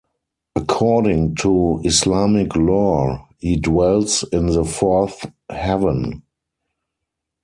According to Islamic lore, he dwells in the Fourth Heaven.